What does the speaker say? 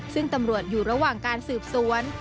ซึ่งตำรวจอยู่ระหว่างการสืบสวน